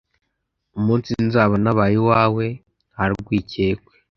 umunsi nzaba nabaye uwawe ntarwikekwe